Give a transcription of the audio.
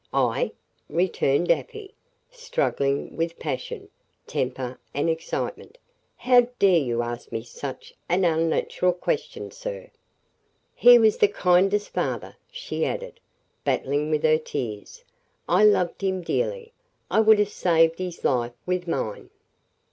"I?" returned Afy, struggling with passion, temper, and excitement. "How dare you ask me such an unnatural question, sir? He was the kindest father," she added, battling with her tears. "I loved him dearly. I would have saved his life with mine."